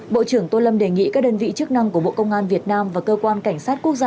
bộ trưởng tô lâm đề nghị các đơn vị chức năng của bộ công an việt nam và cơ quan cảnh sát quốc gia